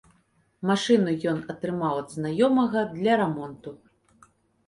Машыну ён атрымаў ад знаёмага для рамонту.